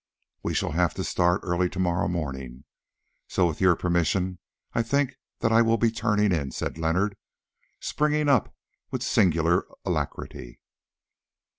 "We shall have to start early to morrow morning, so with your permission I think that I will be turning in," said Leonard, springing up with singular alacrity.